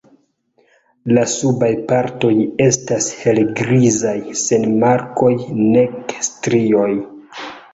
La subaj partoj estas helgrizaj sen markoj nek strioj.